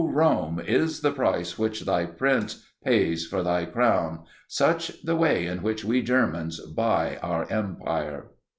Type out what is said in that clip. Rome, is the price which thy Prince pays for thy crown; such the way in which we Germans buy our empire!"